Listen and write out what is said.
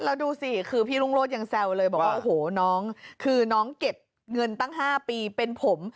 แล้วดูสิคือพี่รุ่งโรธยังแซวเลยบอกว่าโอ้โหน้องคือน้องเก็บเงินตั้ง๕ปีเป็นผม